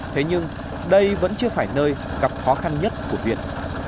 thế nhưng đây vẫn chưa phải nơi gặp khó khăn nhất của việt